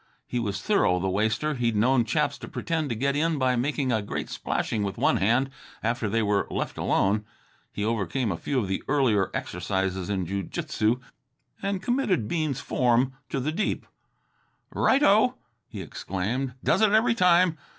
He was thorough, the waster. He'd known chaps to pretend to get in by making a great splashing with one hand, after they were left alone. He overcame a few of the earlier exercises in jiu jitsu and committed Bean's form to the deep. "Righto!" he exclaimed. "Does it every time.